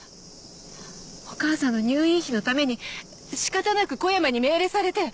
お母さんの入院費のために仕方なく小山に命令されて。